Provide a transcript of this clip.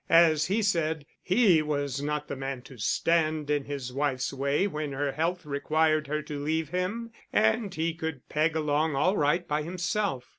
As he said, he was not the man to stand in his wife's way when her health required her to leave him; and he could peg along all right by himself.